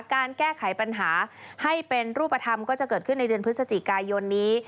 การแก้ไขปัญหาให้เป็นรูปธรรมก็จะเกิดขึ้นในเดือนพฤศจิกายนนี้